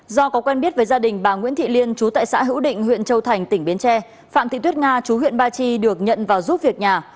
do có quen biết với gia đình bà nguyễn thị liên chú tại xã hữu định huyện châu thành tỉnh bến tre phạm thị tuyết nga chú huyện ba chi được nhận vào giúp việc nhà